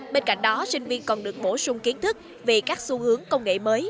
bên cạnh đó sinh viên còn được bổ sung kiến thức về các xu hướng công nghệ mới